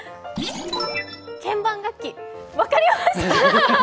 鍵盤楽器、分かりました！